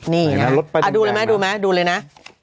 นี่นะดูเลยนะดูเลยนะ